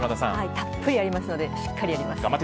たっぷりありますのでしっかりやります。